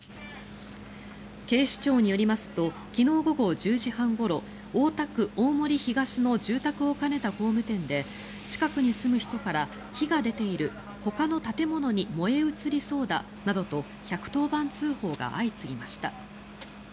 警視庁によりますと昨日午後１０時半ごろ大田区大森東の住宅を兼ねた工務店で近くに住む人から火が出ているほかの建物に燃え移りそうだなどと１１０番通報が相次ぎました。